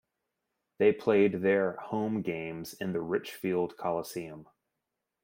They played their home games in the Richfield Coliseum.